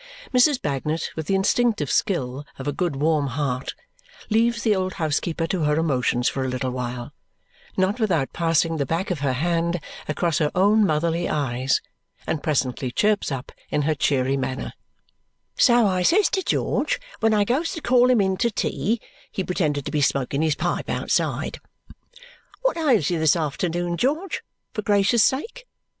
Mrs. Bagnet, with the instinctive skill of a good warm heart, leaves the old housekeeper to her emotions for a little while not without passing the back of her hand across her own motherly eyes and presently chirps up in her cheery manner, "So I says to George when I goes to call him in to tea (he pretended to be smoking his pipe outside), 'What ails you this afternoon, George, for gracious sake?